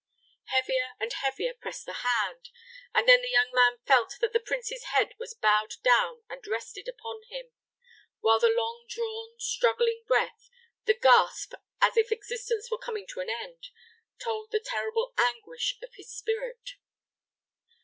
Heavier and heavier pressed the hand, and then the young man felt that the prince's head was bowed down and rested upon him, while the long drawn, struggling breath the gasp, as if existence were coming to an end told the terrible anguish of his spirit.